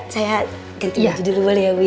saya ganti baju dulu ya bu